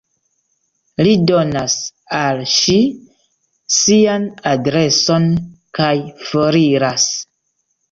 Li donas al ŝi sian adreson kaj foriras.